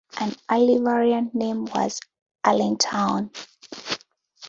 An early variant name was Allentown.